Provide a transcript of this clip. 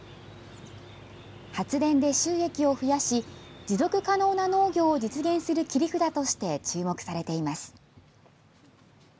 発電で収益を増やし持続可能な農業を実現する切り札として注目されています。